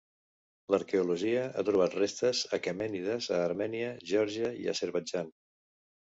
L'arqueologia ha trobat restes aquemènides a Armènia, Geòrgia i Azerbaidjan.